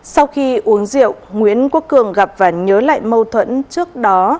sau khi uống rượu nguyễn quốc cường gặp và nhớ lại mâu thuẫn trước đó